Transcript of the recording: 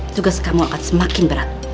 tugas kamu akan semakin berat